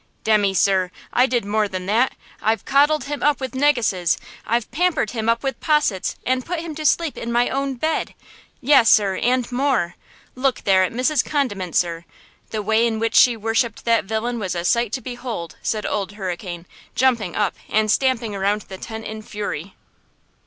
"Demmy, sir, I did more than that! I've coddled him up with negusses! I've pampered him up with possets and put him to sleep in my own bed! Yes, sir–and more! Look there at Mrs. Condiment, sir! The way in which she worshipped that villain was a sight to behold!" said Old Hurricane, jumping up and stamping around the tent in fury.